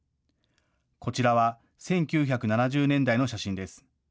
こちらは１９７０年代の写真です。